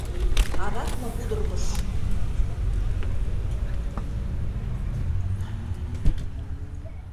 Адак мо пудыргыш?